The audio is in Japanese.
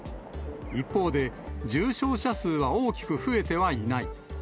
一方で、重症者数は大きく増えてはいない。